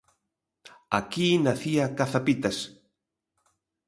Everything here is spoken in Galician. Aquí nacía Cazapitas.